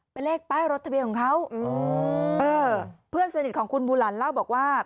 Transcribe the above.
เป็นเลขป้ายรถทะเบียนของเขาเออเพื่อนสนิทของคุณบูหลันเล่าบอกว่า